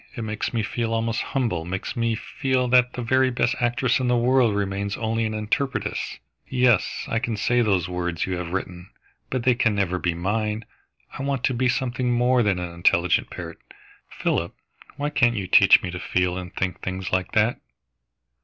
"It makes me feel almost humble, makes me feel that the very best actress in the world remains only an interpretress. Yes, I can say those words you have written, but they can never be mine. I want to be something more than an intelligent parrot, Philip. Why can't you teach me to feel and think things like that?"